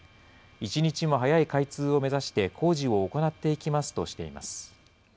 一日も早い開通を目指して、工事を行っていきますとしています。